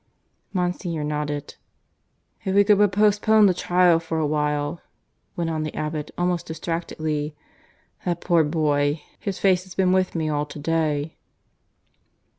Monsignor nodded. "If we could but postpone the trial for a while," went on the abbot almost distractedly. "That poor boy! His face has been with me all to day."